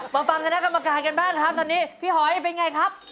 มาฟังคณะกรรมการกันบ้างครับตอนนี้พี่หอยเป็นไงครับ